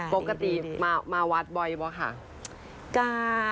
ปกติมาวัดบ่อยป่ะค่ะ